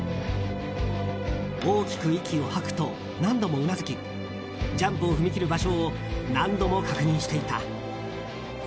大きく息を吐くと何度もうなずきジャンプを踏み切る場所を何度も確認していた。